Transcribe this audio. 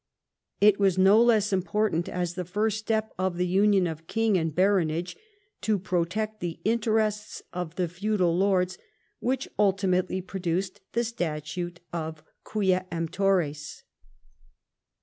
It was no less important as the first step of the union of king and baronage to protect the interests of the feudal lords, which ultimately produced the Statute of Quia Emptores.